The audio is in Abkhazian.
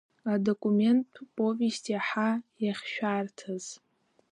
Адокументтә повест Иаҳа иахьшәарҭаз…